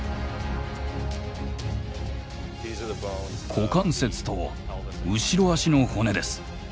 股関節と後ろあしの骨です。